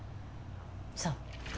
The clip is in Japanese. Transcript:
そう。